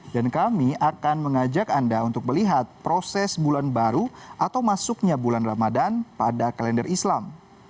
dan kami akan mengajak anda untuk melihat proses bulan baru atau masuknya bulan ramadan pada kalender islam